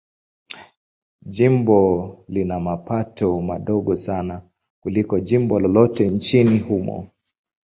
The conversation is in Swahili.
Jimbo lina mapato madogo sana kuliko jimbo lolote nchini humo.